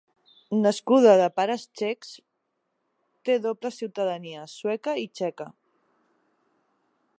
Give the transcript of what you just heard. Nascuda de pares txecs, té doble ciutadania, sueca i txeca.